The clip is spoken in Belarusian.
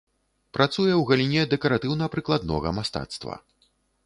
Працуе ў галіне дэкаратыўна-прыкладнога мастацтва.